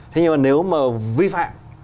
thế nhưng mà nếu mà vi phạm